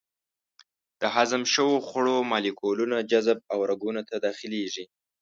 د هضم شوو خوړو مالیکولونه جذب او رګونو ته داخلېږي.